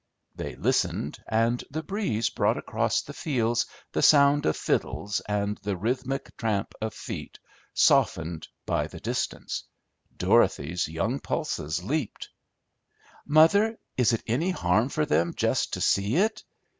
They listened, and the breeze brought across the fields the sound of fiddles and the rhythmic tramp of feet, softened by the distance. Dorothy's young pulses leaped. "Mother, is it any harm for them just to see it?